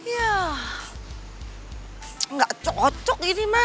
ya gak cocok ini ma